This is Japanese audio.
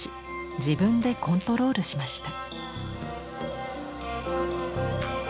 自分でコントロールしました。